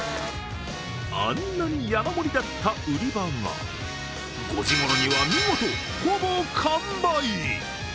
あんなに山盛りだった売り場が５時ごろには見事ほぼ完売。